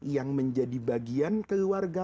yang menjadi bagian keluarga